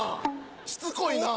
しつこいな。